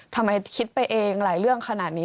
ทำไมคิดไปเองหลายเรื่องขนาดนี้